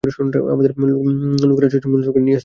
আমাদের লোকেরা ছয়জন মুসলমানকে নিয়ে আসতে সক্ষম হয়।